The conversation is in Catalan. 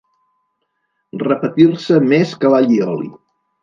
Repetir-se més que l'allioli.